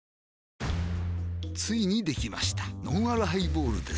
ついにできましたのんあるハイボールです